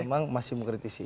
memang masih mengkritisi